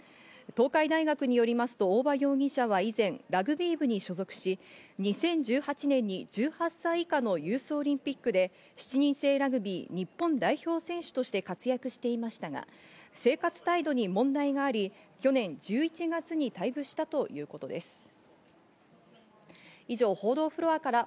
東海大学によりますと大場容疑者は以前、ラグビー部に所属し、２０１８年に１８歳以下のユースオリンピックで７人制ラグビー日本代表選手として活躍していましたが、生活態度に問題があり、去年１１月に退部したということです。